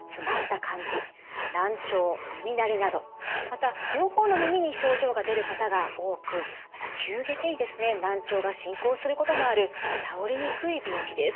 症状としてはまた両方の耳に症状が出る方が多くまた急激に難聴が進行することもある治りにくい病気です。